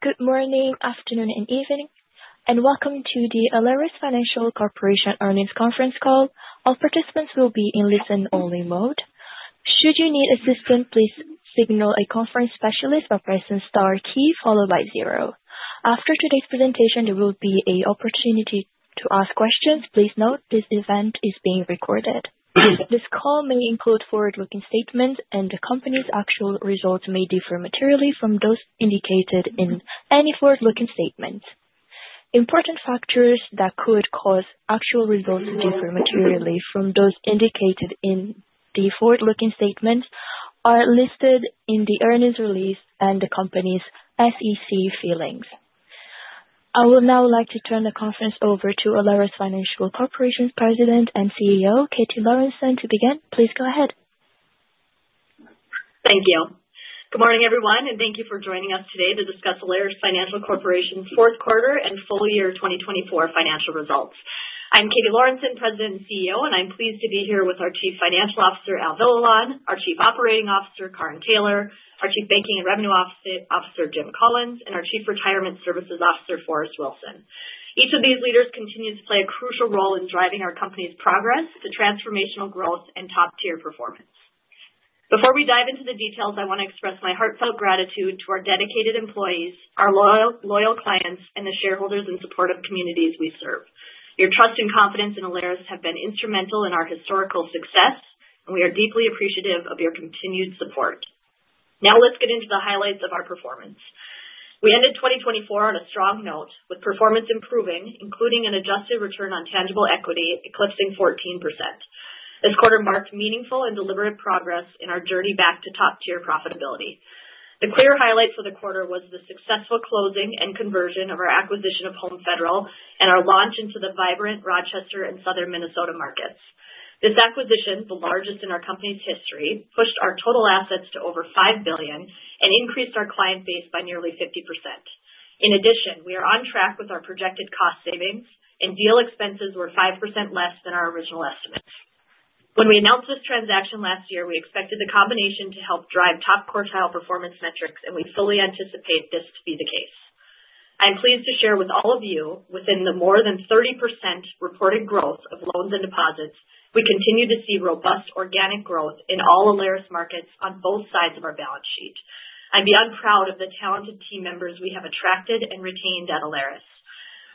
Good morning, afternoon, and evening, and welcome to the Alerus Financial Corporation earnings conference call. All participants will be in listen-only mode. Should you need assistance, please signal a conference specialist by pressing star key followed by zero. After today's presentation, there will be an opportunity to ask questions. Please note this event is being recorded. This call may include forward-looking statements, and the company's actual results may differ materially from those indicated in any forward-looking statement. Important factors that could cause actual results to differ materially from those indicated in the forward-looking statements are listed in the earnings release and the company's SEC filings. I would now like to turn the conference over to Alerus Financial Corporation's President and CEO, Katie Lorenson, to begin. Please go ahead. Thank you. Good morning, everyone, and thank you for joining us today to discuss Alerus Financial Corporation's fourth quarter and full year 2024 financial results. I'm Katie Lorenson, President and CEO, and I'm pleased to be here with our Chief Financial Officer, Al Villalon, our Chief Operating Officer, Karin Taylor, our Chief Banking and Revenue Officer, Jim Collins, and our Chief Retirement Services Officer, Forrest Wilson. Each of these leaders continues to play a crucial role in driving our company's progress to transformational growth and top-tier performance. Before we dive into the details, I want to express my heartfelt gratitude to our dedicated employees, our loyal clients, and the shareholders and supportive communities we serve. Your trust and confidence in Alerus have been instrumental in our historical success, and we are deeply appreciative of your continued support. Now let's get into the highlights of our performance. We ended 2024 on a strong note, with performance improving, including an adjusted return on tangible equity eclipsing 14%. This quarter marked meaningful and deliberate progress in our journey back to top-tier profitability. The clear highlight for the quarter was the successful closing and conversion of our acquisition of Home Federal and our launch into the vibrant Rochester and Southern Minnesota markets. This acquisition, the largest in our company's history, pushed our total assets to over $5 billion and increased our client base by nearly 50%. In addition, we are on track with our projected cost savings, and deal expenses were 5% less than our original estimates. When we announced this transaction last year, we expected the combination to help drive top quartile performance metrics, and we fully anticipate this to be the case. I'm pleased to share with all of you, within the more than 30% reported growth of loans and deposits, we continue to see robust organic growth in all Alerus markets on both sides of our balance sheet. I'm beyond proud of the talented team members we have attracted and retained at Alerus.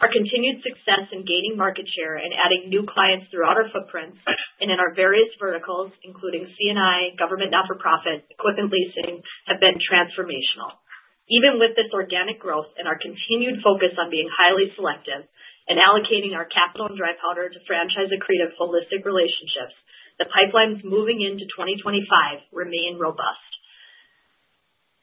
Our continued success in gaining market share and adding new clients throughout our footprint and in our various verticals, including C&I, government not-for-profit, equipment leasing, have been transformational. Even with this organic growth and our continued focus on being highly selective and allocating our capital and dry powder to franchise accretive holistic relationships, the pipelines moving into 2025 remain robust.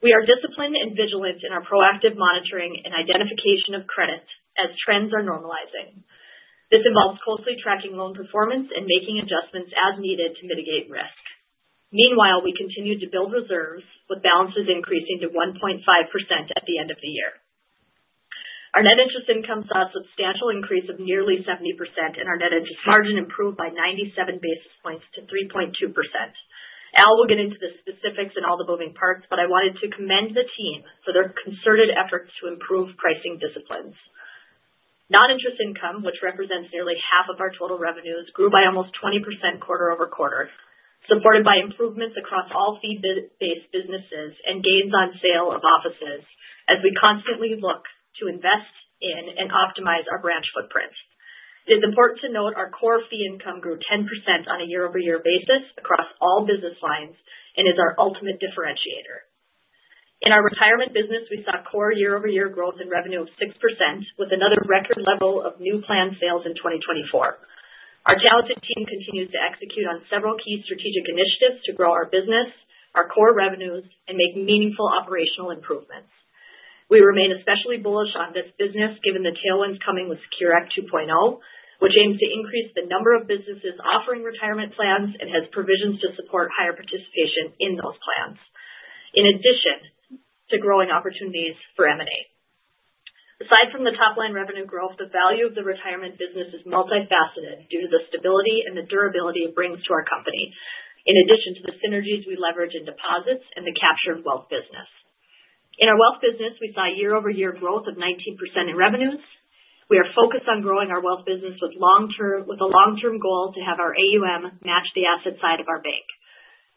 We are disciplined and vigilant in our proactive monitoring and identification of credit as trends are normalizing. This involves closely tracking loan performance and making adjustments as needed to mitigate risk. Meanwhile, we continue to build reserves, with balances increasing to 1.5% at the end of the year. Our net interest income saw a substantial increase of nearly 70%, and our net interest margin improved by 97 basis points to 3.2%. Al will get into the specifics and all the moving parts, but I wanted to commend the team for their concerted efforts to improve pricing disciplines. Non-interest income, which represents nearly half of our total revenues, grew by almost 20% quarter-over-quarter, supported by improvements across all fee-based businesses and gains on sale of offices as we constantly look to invest in and optimize our branch footprint. It is important to note our core fee income grew 10% on a year-over-year basis across all business lines and is our ultimate differentiator. In our retirement business, we saw core year-over-year growth in revenue of 6%, with another record level of new plan sales in 2024. Our talented team continues to execute on several key strategic initiatives to grow our business, our core revenues, and make meaningful operational improvements. We remain especially bullish on this business, given the tailwinds coming with Secure Act 2.0, which aims to increase the number of businesses offering retirement plans and has provisions to support higher participation in those plans, in addition to growing opportunities for M&A. Aside from the top-line revenue growth, the value of the retirement business is multifaceted due to the stability and the durability it brings to our company, in addition to the synergies we leverage in deposits and the capture of wealth business. In our wealth business, we saw year-over-year growth of 19% in revenues. We are focused on growing our wealth business with a long-term goal to have our AUM match the asset side of our bank.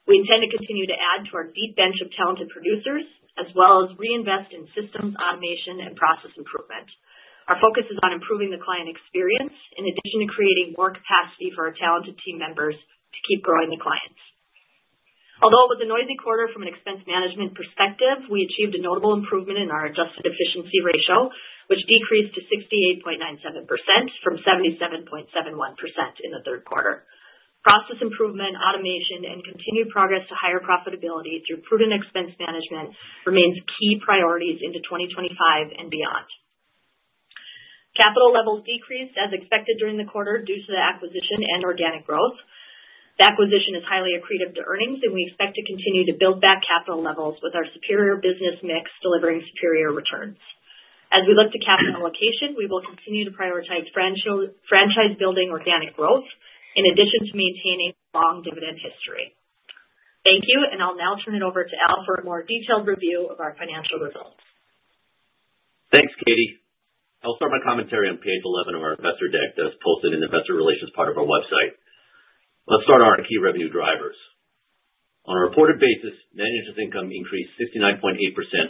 We intend to continue to add to our deep bench of talented producers as well as reinvest in systems, automation, and process improvement. Our focus is on improving the client experience, in addition to creating more capacity for our talented team members to keep growing the clients. Although it was a noisy quarter from an expense management perspective, we achieved a notable improvement in our adjusted efficiency ratio, which decreased to 68.97% from 77.71% in the third quarter. Process improvement, automation, and continued progress to higher profitability through prudent expense management remain key priorities into 2025 and beyond. Capital levels decreased, as expected during the quarter, due to the acquisition and organic growth. The acquisition is highly accretive to earnings, and we expect to continue to build back capital levels with our superior business mix, delivering superior returns. As we look to capital allocation, we will continue to prioritize franchise-building organic growth, in addition to maintaining long dividend history. Thank you, and I'll now turn it over to Al for a more detailed review of our financial results. Thanks, Katie. I'll start my commentary on page 11 of our investor deck that is posted in the investor relations part of our website. Let's start on our key revenue drivers. On a reported basis, net interest income increased 69.8%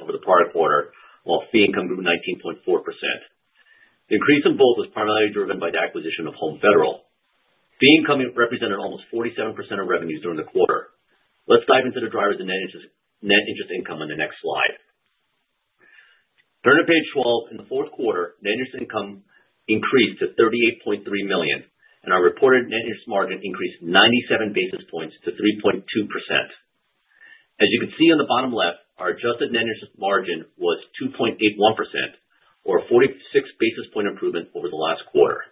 over the prior quarter, while fee income grew 19.4%. The increase in both was primarily driven by the acquisition of Home Federal. Fee income represented almost 47% of revenues during the quarter. Let's dive into the drivers of net interest income on the next slide. Turning to page 12, in the fourth quarter, net interest income increased to $38.3 million, and our reported net interest margin increased 97 basis points to 3.2%. As you can see on the bottom left, our adjusted net interest margin was 2.81%, or a 46 basis point improvement over the last quarter.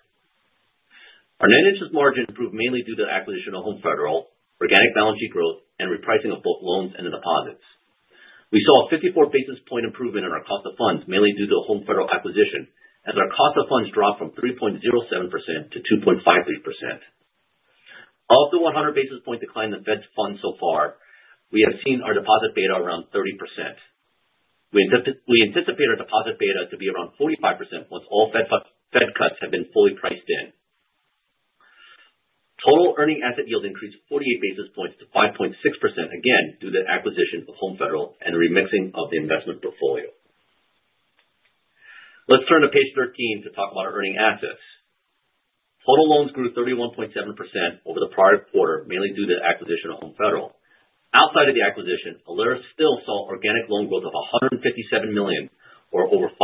Our net interest margin improved mainly due to the acquisition of Home Federal, organic balance sheet growth, and repricing of both loans and the deposits. We saw a 54 basis point improvement in our cost of funds, mainly due to a Home Federal acquisition, as our cost of funds dropped from 3.07% to 2.53%. Of the 100 basis point decline in the Fed funds so far, we have seen our deposit beta around 30%. We anticipate our deposit beta to be around 45% once all Fed cuts have been fully priced in. Total earning asset yield increased 48 basis points to 5.6%, again due to the acquisition of Home Federal and the remixing of the investment portfolio. Let's turn to page 13 to talk about our earning assets. Total loans grew 31.7% over the prior quarter, mainly due to the acquisition of Home Federal. Outside of the acquisition, Alerus still saw organic loan growth of $157 million, or over 5%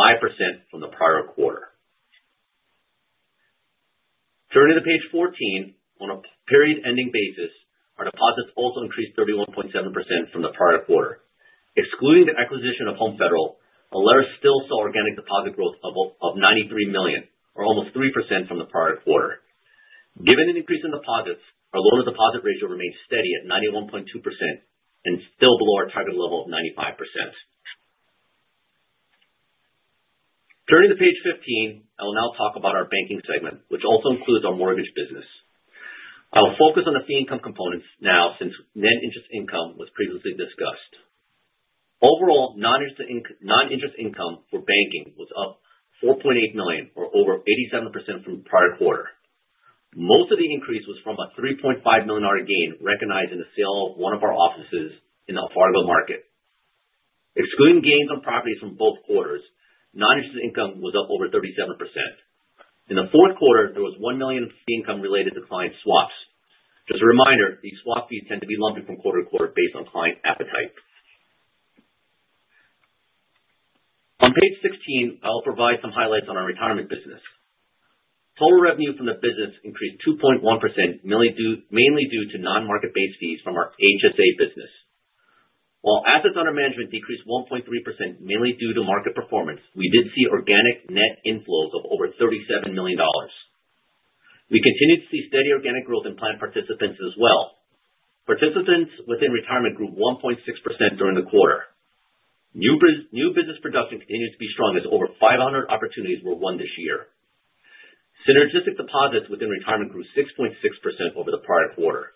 from the prior quarter. Turning to page 14, on a period-ending basis, our deposits also increased 31.7% from the prior quarter. Excluding the acquisition of Home Federal, Alerus still saw organic deposit growth of $93 million, or almost 3% from the prior quarter. Given an increase in deposits, our loan-to-deposit ratio remains steady at 91.2% and still below our target level of 95%. Turning to page 15, I will now talk about our banking segment, which also includes our mortgage business. I will focus on the fee income components now, since net interest income was previously discussed. Overall, non-interest income for banking was up $4.8 million, or over 87% from the prior quarter. Most of the increase was from a $3.5 million gain recognized in the sale of one of our offices in the Fargo market. Excluding gains on properties from both quarters, non-interest income was up over 37%. In the fourth quarter, there was $1 million in income-related derivative swaps. Just a reminder, these swap fees tend to be lumpy from quarter to quarter based on client appetite. On page 16, I'll provide some highlights on our retirement business. Total revenue from the business increased 2.1%, mainly due to non-market-based fees from our HSA business. While assets under management decreased 1.3%, mainly due to market performance, we did see organic net inflows of over $37 million. We continued to see steady organic growth in plan participants as well. Participants within retirement grew 1.6% during the quarter. New business production continued to be strong as over 500 opportunities were won this year. Synergistic deposits within retirement grew 6.6% over the prior quarter.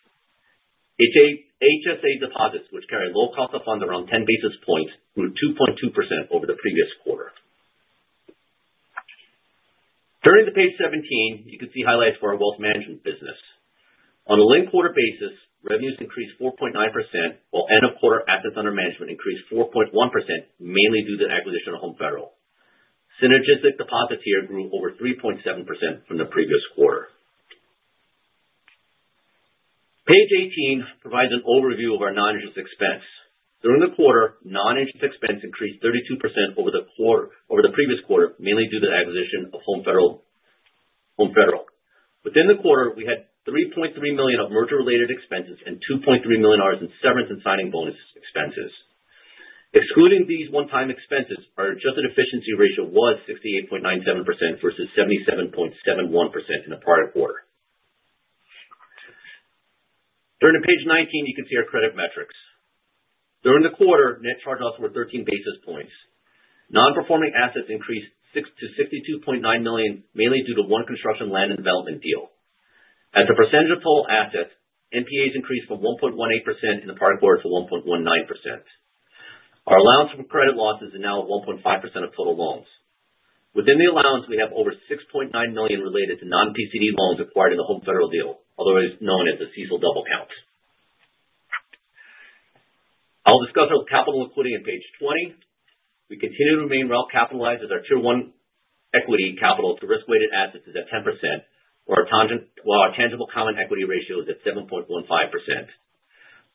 HSA deposits, which carry low cost of funds around 10 basis points, grew 2.2% over the previous quarter. Turning to page 17, you can see highlights for our wealth management business. On a linked quarter basis, revenues increased 4.9%, while end-of-quarter assets under management increased 4.1%, mainly due to the acquisition of Home Federal. Synergistic deposits here grew over 3.7% from the previous quarter. Page 18 provides an overview of our non-interest expense. During the quarter, non-interest expense increased 32% over the previous quarter, mainly due to the acquisition of Home Federal. Within the quarter, we had $3.3 million of merger-related expenses and $2.3 million in severance and signing bonus expenses. Excluding these one-time expenses, our adjusted efficiency ratio was 68.97% versus 77.71% in the prior quarter. Turning to page 19, you can see our credit metrics. During the quarter, net charge-offs were 13 basis points. Non-performing assets increased to $62.9 million, mainly due to one construction land and development deal. As a percentage of total assets, NPAs increased from 1.18% in the prior quarter to 1.19%. Our allowance for credit losses is now at 1.5% of total loans. Within the allowance, we have over $6.9 million related to non-PCD loans acquired in the Home Federal deal, otherwise known as the CECL double count. I'll discuss our capital including at page 20. We continue to remain well capitalized as our Tier 1 equity capital to risk-weighted assets is at 10%, while our tangible common equity ratio is at 7.15%.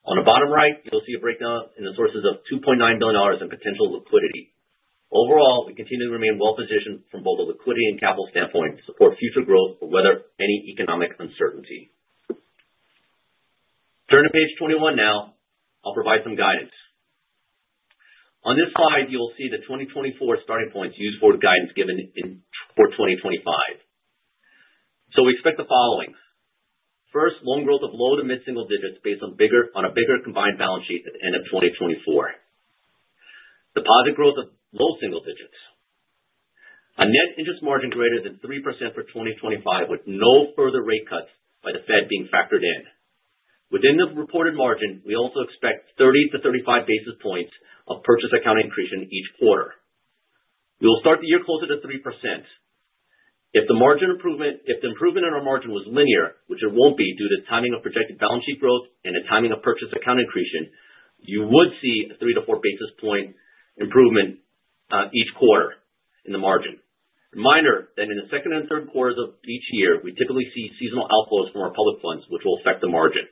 On the bottom right, you'll see a breakdown in the sources of $2.9 billion in potential liquidity. Overall, we continue to remain well-positioned from both a liquidity and capital standpoint to support future growth or weather any economic uncertainty. Turning to page 21 now, I'll provide some guidance. On this slide, you'll see the 2024 starting points used for guidance given for 2025. So we expect the following. First, loan growth of low to mid-single digits based on a bigger combined balance sheet at the end of 2024. Deposit growth of low single digits. A net interest margin greater than 3% for 2025 with no further rate cuts by the Fed being factored in. Within the reported margin, we also expect 30-35 basis points of purchase accounting accretion in each quarter. We will start the year closer to 3%. If the improvement in our margin was linear, which it won't be due to timing of projected balance sheet growth and the timing of purchase accounting accretion, you would see a three- to four-basis-point improvement each quarter in the margin. Reminder that in the second and third quarters of each year, we typically see seasonal outflows from our public funds, which will affect the margin.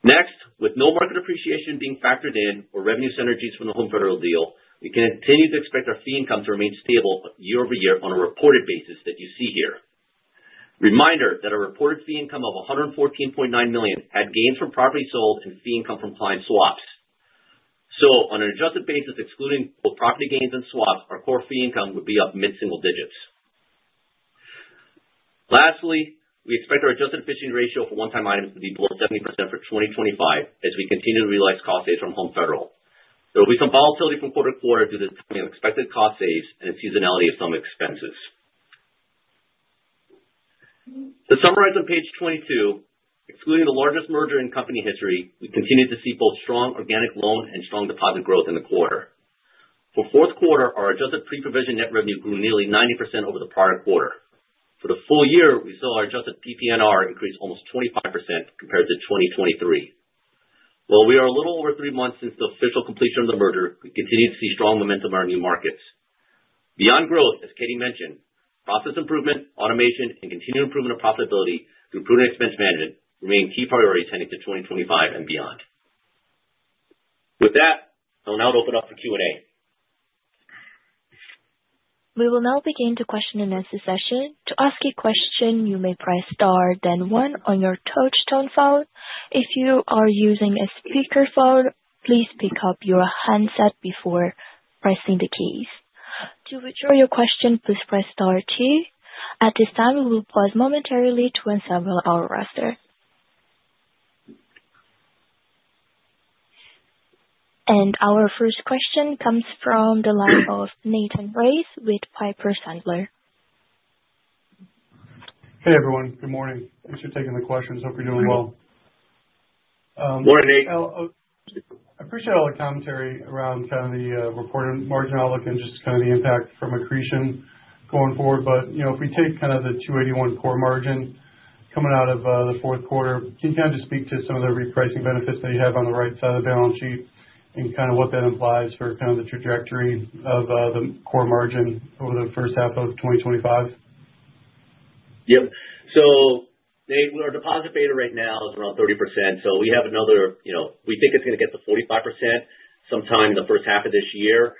Next, with no market appreciation being factored in or revenue synergies from the Home Federal deal, we continue to expect our fee income to remain stable year-over-year on a reported basis that you see here. Reminder that our reported fee income of $114.9 million had gains from property sold and fee income from client swaps. So on an adjusted basis, excluding both property gains and swaps, our core fee income would be up mid-single digits. Lastly, we expect our adjusted efficiency ratio for one-time items to be below 70% for 2025 as we continue to realize cost savings from Home Federal. There will be some volatility from quarter to quarter due to the timing of expected cost savings and the seasonality of some expenses. To summarize on page 22, excluding the largest merger in company history, we continue to see both strong organic loan and strong deposit growth in the quarter. For fourth quarter, our adjusted pre-provision net revenue grew nearly 90% over the prior quarter. For the full year, we saw our adjusted PPNR increase almost 25% compared to 2023. While we are a little over three months since the official completion of the merger, we continue to see strong momentum in our new markets. Beyond growth, as Katie mentioned, process improvement, automation, and continued improvement of profitability through prudent expense management remain key priorities heading to 2025 and beyond. With that, I'll now open up for Q&A. We will now begin the question-and-answer session. To ask a question, you may press star, then one on your touch-tone phone. If you are using a speakerphone, please pick up your handset before pressing the keys. To withdraw your question, please press star two. At this time, we will pause momentarily to assemble our roster. Our first question comes from the line of Nathan Race with Piper Sandler. Hey, everyone. Good morning. Thanks for taking the questions. Hope you're doing well. Morning, Nate. I appreciate all the commentary around kind of the reported margin outlook and just kind of the impact from accretion going forward. But if we take kind of the 2.81% core margin coming out of the fourth quarter, can you kind of just speak to some of the repricing benefits that you have on the right side of the balance sheet and kind of what that implies for kind of the trajectory of the core margin over the first half of 2025? Yep. So our deposit beta right now is around 30%. So we have another, we think it's going to get to 45% sometime in the first half of this year.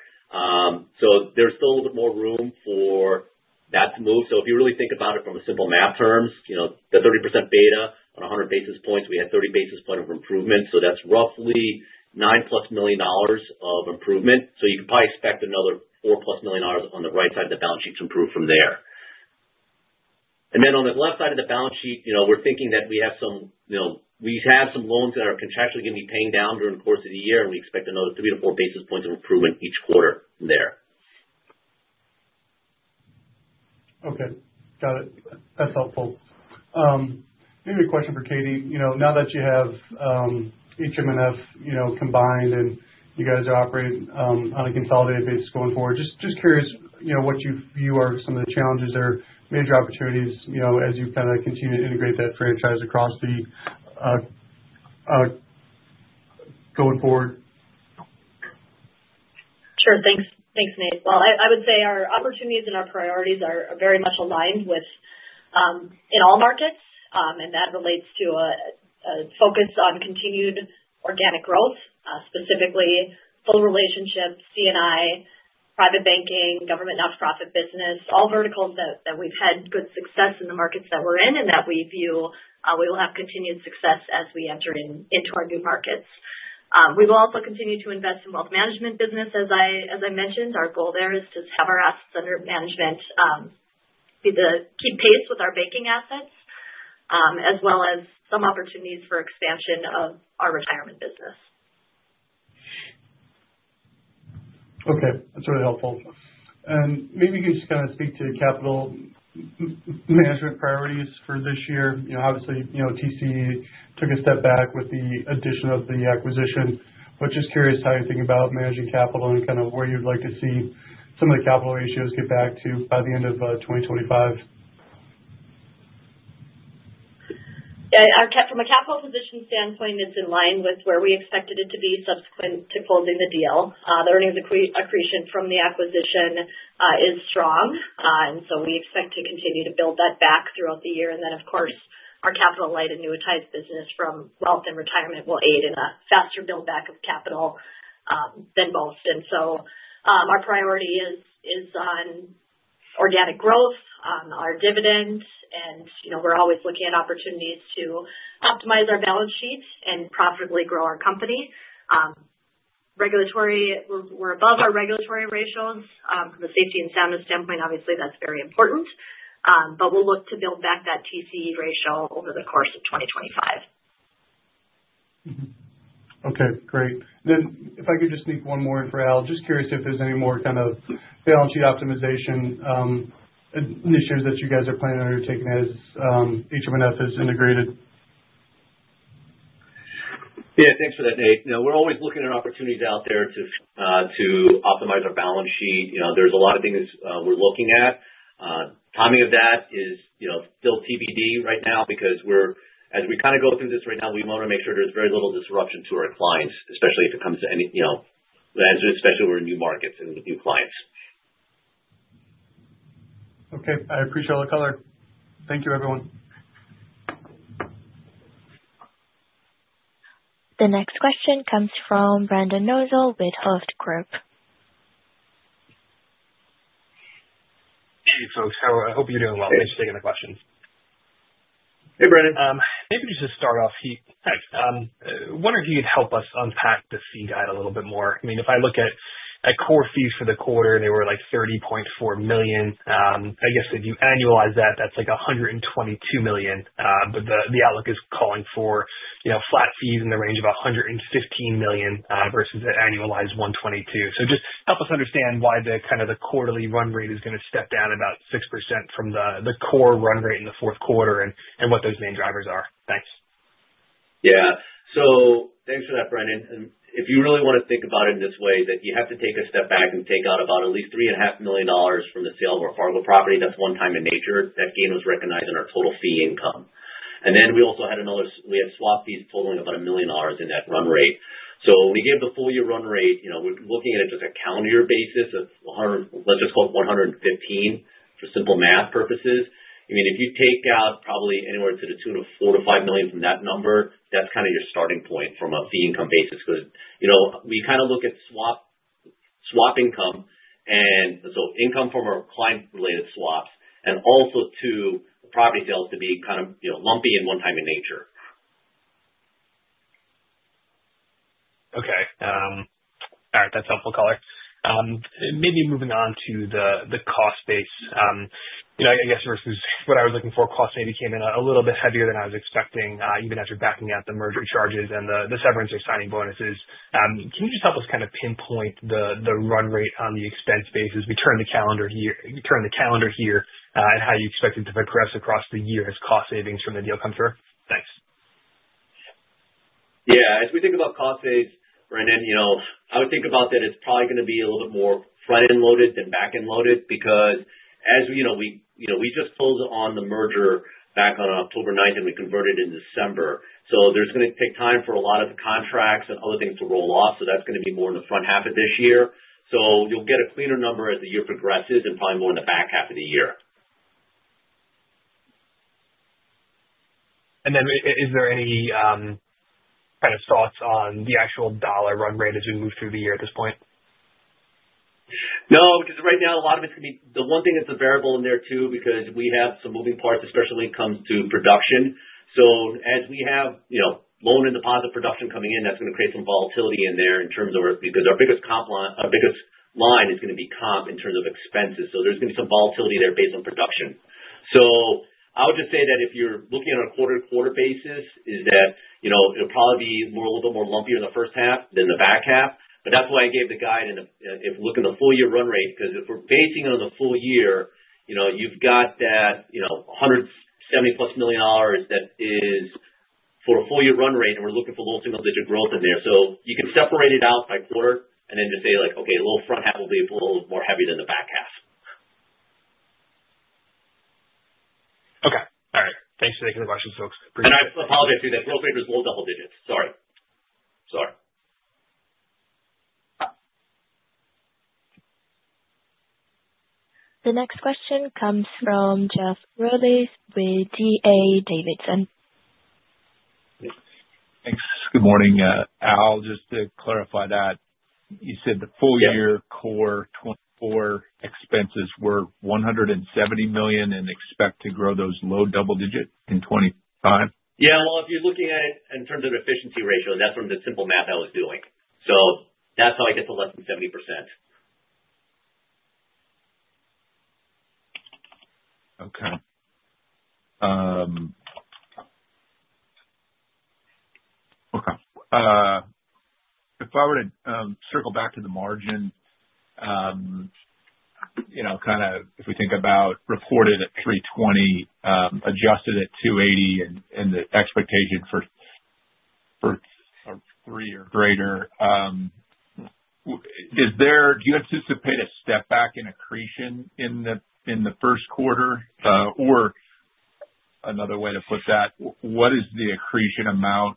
So there's still a little bit more room for that to move. So if you really think about it from simple math terms, the 30% beta on 100 basis points, we had 30 basis points of improvement. So that's roughly $9+ million of improvement. So you can probably expect another $4+ million on the right side of the balance sheet to improve from there. And then on the left side of the balance sheet, we're thinking that we have some, we have some loans that are contractually going to be paying down during the course of the year, and we expect another three to four basis points of improvement each quarter from there. Okay. Got it. That's helpful. Maybe a question for Katie. Now that you have HMNF combined and you guys are operating on a consolidated basis going forward, just curious what you view are some of the challenges or major opportunities as you kind of continue to integrate that franchise across the going forward? Sure. Thanks, Nate. Well, I would say our opportunities and our priorities are very much aligned in all markets, and that relates to a focus on continued organic growth, specifically full relationship, C&I, private banking, government nonprofit business, all verticals that we've had good success in the markets that we're in and that we view we will have continued success as we enter into our new markets. We will also continue to invest in wealth management business, as I mentioned. Our goal there is to have our assets under management keep pace with our banking assets, as well as some opportunities for expansion of our retirement business. Okay. That's really helpful. And maybe you can just kind of speak to capital management priorities for this year. Obviously, TCE took a step back with the addition of the acquisition, but just curious how you're thinking about managing capital and kind of where you'd like to see some of the capital ratios get back to by the end of 2025? Yeah. From a capital position standpoint, it's in line with where we expected it to be subsequent to closing the deal. The earnings accretion from the acquisition is strong, and so we expect to continue to build that back throughout the year. And then, of course, our capital-light annuitized business from wealth and retirement will aid in a faster buildback of capital than most. And so our priority is on organic growth, our dividends, and we're always looking at opportunities to optimize our balance sheet and profitably grow our company. We're above our regulatory ratios. From a safety and soundness standpoint, obviously, that's very important, but we'll look to build back that TCE ratio over the course of 2025. Okay. Great. Then if I could just sneak one more in for Al, just curious if there's any more kind of balance sheet optimization initiatives that you guys are planning on undertaking as HMNF is integrated? Yeah. Thanks for that, Nate. We're always looking at opportunities out there to optimize our balance sheet. There's a lot of things we're looking at. Timing of that is still TBD right now because as we kind of go through this right now, we want to make sure there's very little disruption to our clients, especially if it comes to any, especially when we're in new markets and with new clients. Okay. I appreciate all the color. Thank you, everyone. The next question comes from Brendan Nosal with Hovde Group. Hey, folks. How are you? I hope you're doing well. Thanks for taking the question. Hey, Brandon. Maybe just to start off, hey, wonder if you could help us unpack the fee guide a little bit more. I mean, if I look at core fees for the quarter, they were like $30.4 million. I guess if you annualize that, that's like $122 million. But the outlook is calling for flat fees in the range of $115 million versus an annualized $122 million. So just help us understand why kind of the quarterly run rate is going to step down about 6% from the core run rate in the fourth quarter and what those main drivers are. Thanks. Yeah. So thanks for that, Brendan. And if you really want to think about it in this way, that you have to take a step back and take out about at least $3.5 million from the sale of our Fargo property. That's one-time in nature. That gain was recognized in our total fee income. And then we also had another. We had swap fees totaling about $1 million in that run rate. So we gave the full-year run rate. We're looking at it just a calendar year basis of. Let's just call it $115 million for simple math purposes. I mean, if you take out probably anywhere to the tune of $4 million-$5 million from that number, that's kind of your starting point from a fee income basis because we kind of look at swap income and so income from our client-related swaps and also to property sales to be kind of lumpy and one-time in nature. Okay. All right. That's helpful color. Maybe moving on to the cost base. I guess what I was looking for, cost maybe came in a little bit heavier than I was expecting, even as you're backing out the merger charges and the severance or signing bonuses. Can you just help us kind of pinpoint the run rate on the expense basis? We turn the calendar year and how you expect it to progress across the year as cost savings from the deal come through. Thanks. Yeah. As we think about cost savings, Brendan, I would think about that it's probably going to be a little bit more front-end loaded than back-end loaded because as we just closed on the merger back on October 9th and we converted in December. So there's going to take time for a lot of the contracts and other things to roll off. So that's going to be more in the front half of this year. So you'll get a cleaner number as the year progresses and probably more in the back half of the year. And then is there any kind of thoughts on the actual dollar run rate as we move through the year at this point? No, because right now, a lot of it's going to be, the one thing that's a variable in there too because we have some moving parts, especially when it comes to production. So as we have loan and deposit production coming in, that's going to create some volatility in there in terms of our, because our biggest line is going to be comp in terms of expenses. So there's going to be some volatility there based on production. So I would just say that if you're looking at a quarter-to-quarter basis, it'll probably be a little bit more lumpier in the first half than the back half. But that's why I gave the guide and if you look in the full-year run rate, because if we're basing it on the full year, you've got that $170+ million that is for a full-year run rate, and we're looking for low single-digit growth in there. So you can separate it out by quarter and then just say, "Okay, low front half will be a little more heavy than the back half. Okay. All right. Thanks for taking the questions, folks. Appreciate it. I apologize to you that growth rate was low double digits. Sorry. Sorry. The next question comes from Jeff Rulis with D.A. Davidson. Thanks. Good morning, Al. Just to clarify that, you said the full-year core 2024 expenses were $170 million and expect to grow those low double digit in 2025? Yeah. Well, if you're looking at it in terms of efficiency ratio, and that's from the simple math I was doing. So that's how I get to less than 70%. Okay. If I were to circle back to the margin, kind of if we think about reported at 3.20%, adjusted at 2.80%, and the expectation for 3% or greater, do you anticipate a step back in accretion in the first quarter? Or another way to put that, what is the accretion amount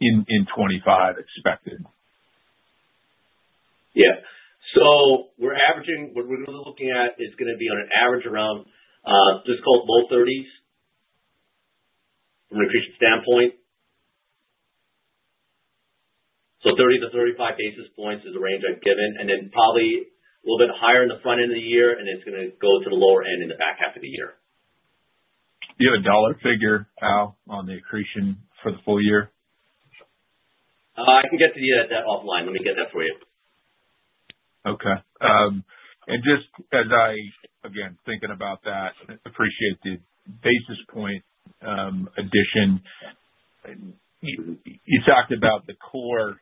in 2025 expected? Yeah. So we're averaging what we're going to be looking at is going to be on an average around just called low 30s from an accretion standpoint. So 30-35 basis points is the range I've given, and then probably a little bit higher in the front end of the year, and it's going to go to the lower end in the back half of the year. Do you have a dollar figure, Al, on the accretion for the full year? I can get back to you on that offline. Let me get that for you. Okay. And just as I, again, thinking about that, appreciate the basis point addition. You talked about the core;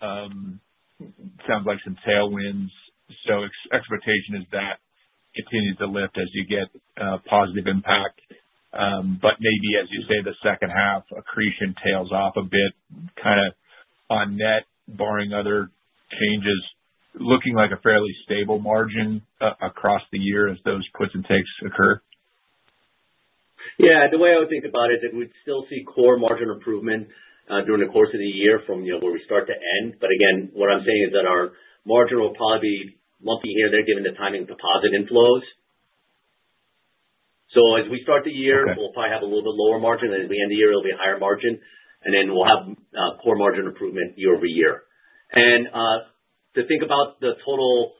sounds like some tailwinds. So expectation is that continues to lift as you get positive impact, but maybe, as you say, the second half accretion tails off a bit kind of on net, barring other changes, looking like a fairly stable margin across the year as those puts and takes occur? Yeah. The way I would think about it is that we'd still see core margin improvement during the course of the year from where we start to end. But again, what I'm saying is that our margin will probably be lumpy here and there given the timing of deposit inflows. So as we start the year, we'll probably have a little bit lower margin. As we end the year, it'll be a higher margin. And then we'll have core margin improvement year-over-year. And to think about the total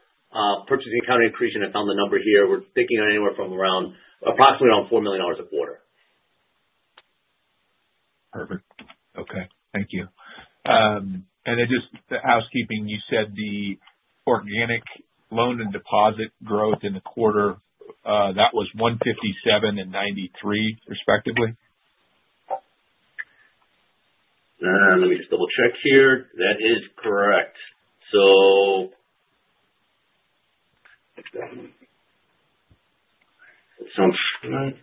purchase accounting accretion, I found the number here. We're thinking anywhere from approximately around $4 million a quarter. Perfect. Okay. Thank you. And then just housekeeping, you said the organic loan and deposit growth in the quarter, that was $157 million and $93 million respectively? Let me just double-check here. That is correct. So it sounds right.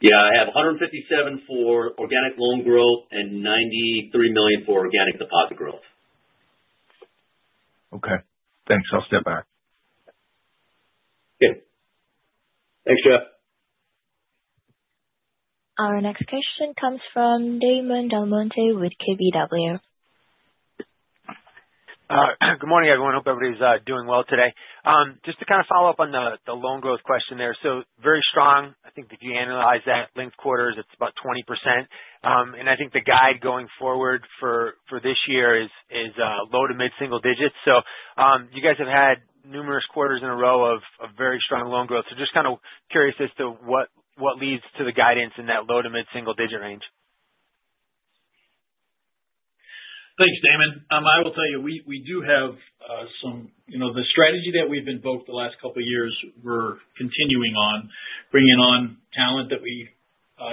Yeah. I have $157 million for organic loan growth and $93 million for organic deposit growth. Okay. Thanks. I'll step back. Okay. Thanks, Jeff. Our next question comes from Damon DelMonte with KBW. Good morning, everyone. Hope everybody's doing well today. Just to kind of follow up on the loan growth question there. So very strong. I think if you analyze that linked quarters, it's about 20%. And I think the guide going forward for this year is low to mid-single digits. So you guys have had numerous quarters in a row of very strong loan growth. So just kind of curious as to what leads to the guidance in that low to mid-single digit range. Thanks, Damon. I will tell you, we do have some of the strategy that we've invoked the last couple of years, we're continuing on, bringing on talent that we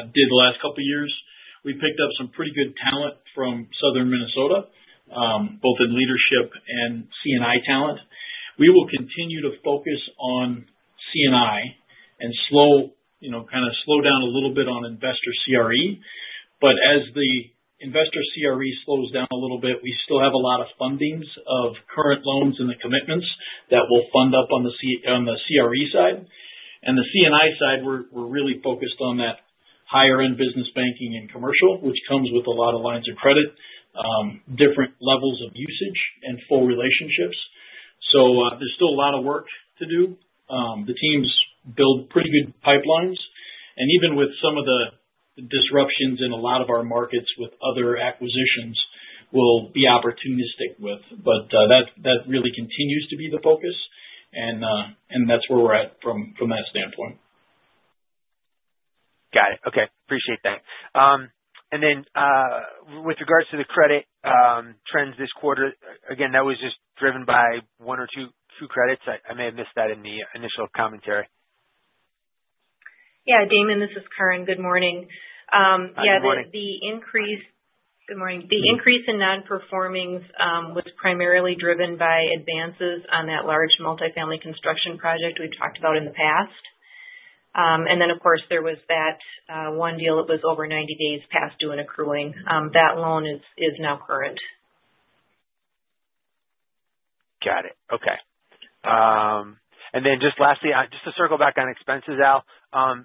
did the last couple of years. We picked up some pretty good talent from Southern Minnesota, both in leadership and C&I talent. We will continue to focus on C&I and kind of slow down a little bit on investor CRE, but as the investor CRE slows down a little bit, we still have a lot of fundings of current loans and the commitments that will fund up on the CRE side, and the C&I side, we're really focused on that higher-end business banking and commercial, which comes with a lot of lines of credit, different levels of usage, and full relationships. So there's still a lot of work to do. The teams build pretty good pipelines. Even with some of the disruptions in a lot of our markets with other acquisitions, we'll be opportunistic with. But that really continues to be the focus, and that's where we're at from that standpoint. Got it. Okay. Appreciate that. And then with regards to the credit trends this quarter, again, that was just driven by one or two credits. I may have missed that in the initial commentary. Yeah. Damon, this is Karin. Good morning. Yeah. The increase in non-performing was primarily driven by advances on that large multifamily construction project we talked about in the past. And then, of course, there was that one deal that was over 90 days past due and accruing. That loan is now current. Got it. Okay. And then just lastly, just to circle back on expenses, Al,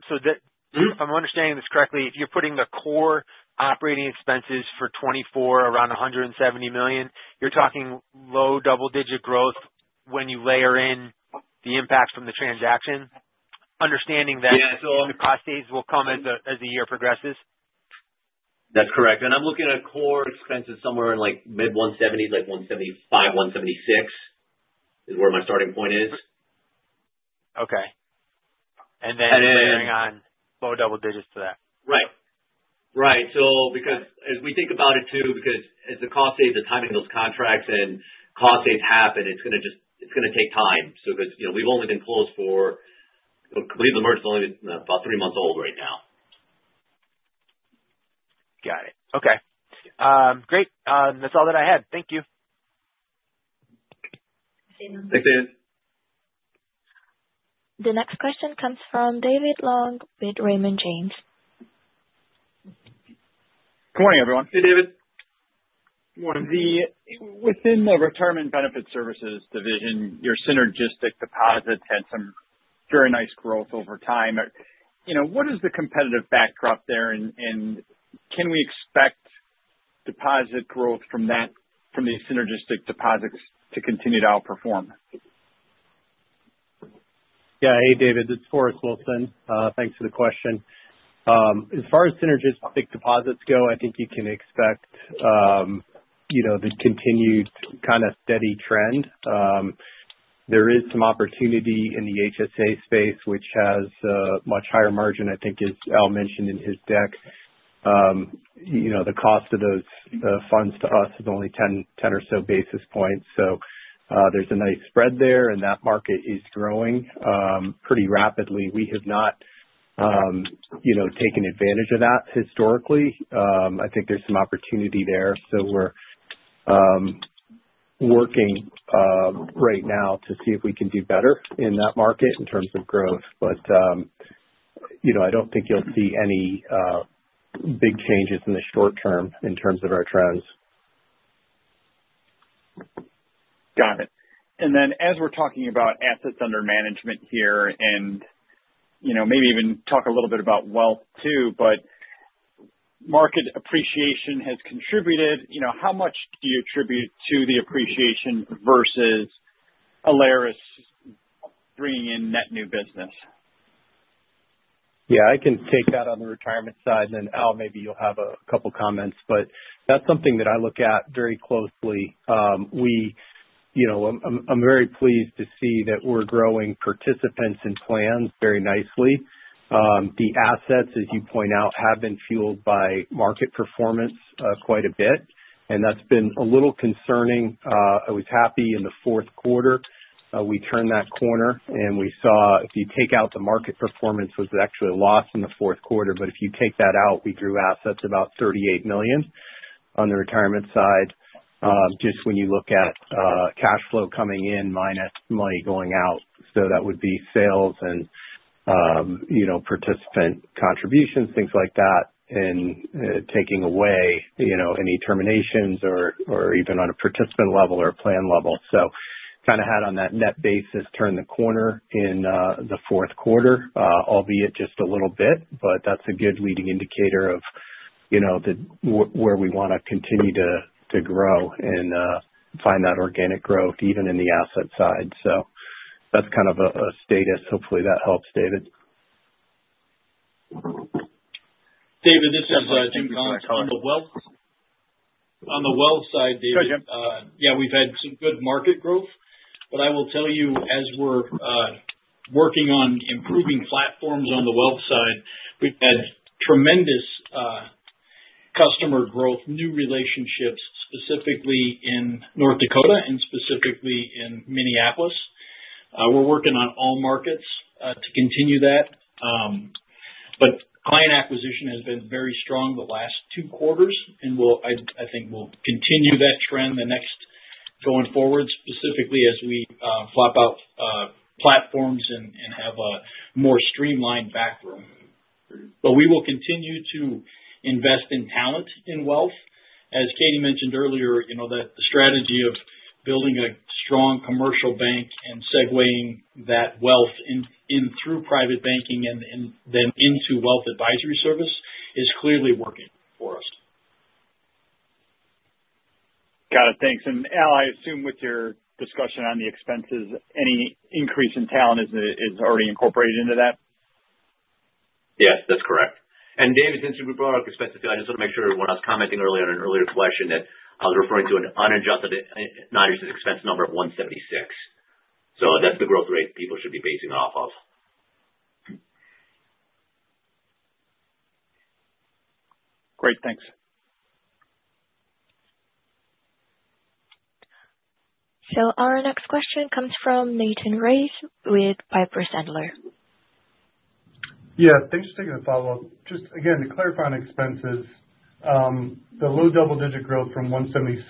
so if I'm understanding this correctly, if you're putting the core operating expenses for 2024 around $170 million, you're talking low double-digit growth when you layer in the impacts from the transaction, understanding that the cost savings will come as the year progresses? That's correct. And I'm looking at core expenses somewhere in like mid-$170s million, like $175 million, $176 million is where my starting point is. Okay. And then layering on low double digits to that. Right. So because as we think about it too, the cost savings, the timing of those contracts and cost savings happen, it's going to take time. So because we've only been closed, the merger complete. It's only been about three months old right now. Got it. Okay. Great. That's all that I had. Thank you. Thanks, David. The next question comes from David Long with Raymond James. Good morning, everyone. Hey, David. Good morning. Within the retirement benefit services division, your synergistic deposits had some very nice growth over time. What is the competitive backdrop there, and can we expect deposit growth from these synergistic deposits to continue to outperform? Yeah. Hey, David. It's Forrest Wilson. Thanks for the question. As far as synergistic deposits go, I think you can expect the continued kind of steady trend. There is some opportunity in the HSA space, which has a much higher margin, I think, as Al mentioned in his deck. The cost of those funds to us is only 10 or so basis points. So there's a nice spread there, and that market is growing pretty rapidly. We have not taken advantage of that historically. I think there's some opportunity there. So we're working right now to see if we can do better in that market in terms of growth. But I don't think you'll see any big changes in the short term in terms of our trends. Got it. And then as we're talking about assets under management here and maybe even talk a little bit about wealth too, but market appreciation has contributed. How much do you attribute to the appreciation versus Alerus bringing in net new business? Yeah. I can take that on the retirement side. And then, Al, maybe you'll have a couple of comments. But that's something that I look at very closely. I'm very pleased to see that we're growing participants and plans very nicely. The assets, as you point out, have been fueled by market performance quite a bit. And that's been a little concerning. I was happy in the fourth quarter. We turned that corner, and we saw if you take out the market performance, it was actually a loss in the fourth quarter. But if you take that out, we grew assets about $38 million on the retirement side, just when you look at cash flow coming in minus money going out. So that would be sales and participant contributions, things like that, and taking away any terminations or even on a participant level or a plan level. So kind of had on that net basis turned the corner in the fourth quarter, albeit just a little bit. But that's a good leading indicator of where we want to continue to grow and find that organic growth even in the asset side. So that's kind of a status. Hopefully, that helps, David. David, this is Jim Collins. The wealth side, David. Hi, Jim. Yeah. We've had some good market growth. But I will tell you, as we're working on improving platforms on the wealth side, we've had tremendous customer growth, new relationships, specifically in North Dakota and specifically in Minneapolis. We're working on all markets to continue that. But client acquisition has been very strong the last two quarters. And I think we'll continue that trend the next going forward, specifically as we swap out platforms and have a more streamlined backroom. But we will continue to invest in talent in wealth. As Katie mentioned earlier, the strategy of building a strong commercial bank and segueing that wealth in through private banking and then into wealth advisory service is clearly working for us. Got it. Thanks. And Al, I assume with your discussion on the expenses, any increase in talent is already incorporated into that? Yes. That's correct. And David, since we brought up expenses, I just want to make sure when I was commenting earlier on an earlier question that I was referring to an unadjusted noninterest expense number of $176 million. So that's the growth rate people should be basing it off of. Great. Thanks. So our next question comes from Nathan Race with Piper Sandler. Yeah. Thanks for taking the follow-up. Just again, to clarify on expenses, the low double-digit growth from $176 million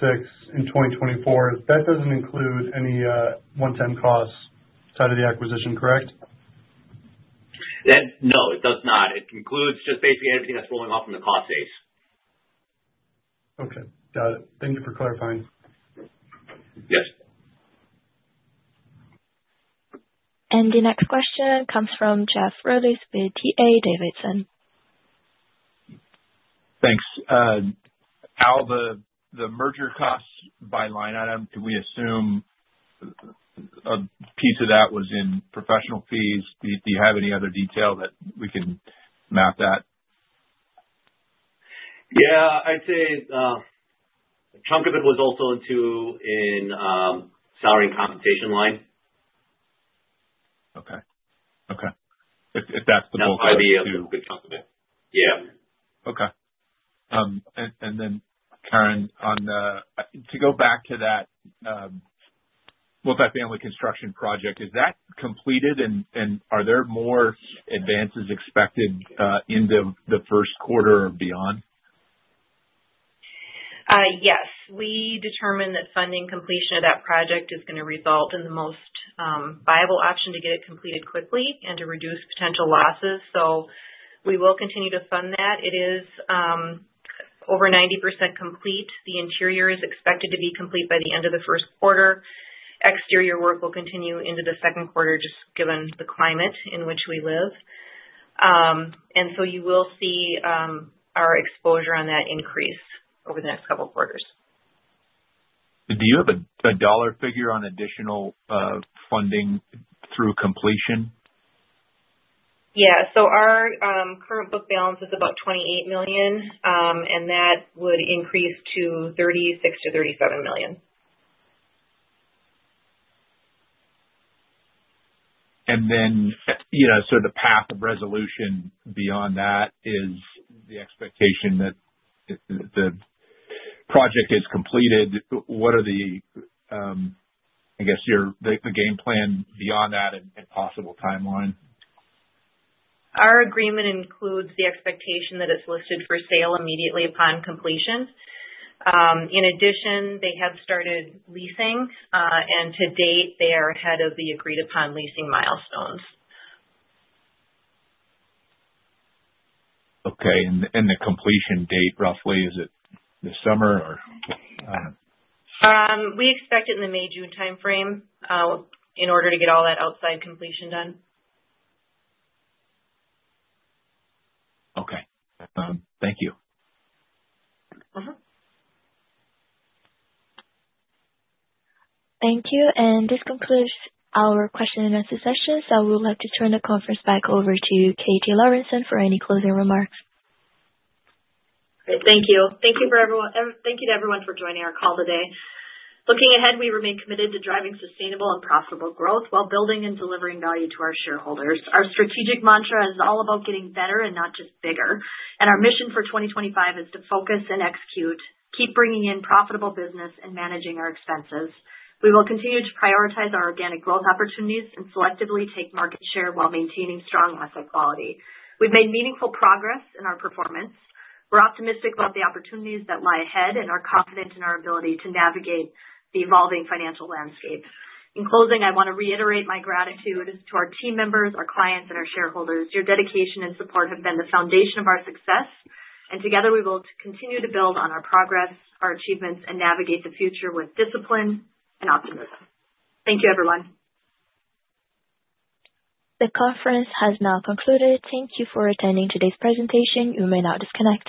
in 2024, that doesn't include any one-time costs out of the acquisition, correct? No. It does not. It includes just basically everything that's rolling off from the cost base. Okay. Got it. Thank you for clarifying. Yes. The next question comes from Jeff Rulis with D.A. Davidson. Thanks. Al, the merger costs by line item, do we assume a piece of that was in professional fees? Do you have any other detail that we can map that? Yeah. I'd say a chunk of it was also into the salary and compensation line. Okay. Okay. If that's the bulk of it. That's probably a good chunks of it. Yeah. Okay. And then, Karin, to go back to that multifamily construction project, is that completed? And are there more advances expected into the first quarter or beyond? Yes. We determined that funding completion of that project is going to result in the most viable option to get it completed quickly and to reduce potential losses. So we will continue to fund that. It is over 90% complete. The interior is expected to be complete by the end of the first quarter. Exterior work will continue into the second quarter, just given the climate in which we live. And so you will see our exposure on that increase over the next couple of quarters. Do you have a dollar figure on additional funding through completion? Yeah. So our current book balance is about $28 million, and that would increase to $36 million-$37 million. And then sort of the path of resolution beyond that is the expectation that the project is completed. What are the, I guess, the game plan beyond that and possible timeline? Our agreement includes the expectation that it's listed for sale immediately upon completion. In addition, they have started leasing, and to date, they are ahead of the agreed-upon leasing milestones. Okay. And the completion date, roughly, is it this summer or? We expect it in the May, June timeframe in order to get all that outside completion done. Okay. Thank you. Thank you. And this concludes our question-and-answer session. So I would like to turn the conference back over to Katie Lorenson for any closing remarks. Thank you. Thank you to everyone for joining our call today. Looking ahead, we remain committed to driving sustainable and profitable growth while building and delivering value to our shareholders. Our strategic mantra is all about getting better and not just bigger, and our mission for 2025 is to focus and execute, keep bringing in profitable business, and managing our expenses. We will continue to prioritize our organic growth opportunities and selectively take market share while maintaining strong asset quality. We've made meaningful progress in our performance. We're optimistic about the opportunities that lie ahead and are confident in our ability to navigate the evolving financial landscape. In closing, I want to reiterate my gratitude to our team members, our clients, and our shareholders. Your dedication and support have been the foundation of our success. Together, we will continue to build on our progress, our achievements, and navigate the future with discipline and optimism. Thank you, everyone. The conference has now concluded. Thank you for attending today's presentation. You may now disconnect.